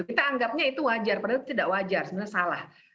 kita anggapnya itu wajar padahal itu tidak wajar sebenarnya salah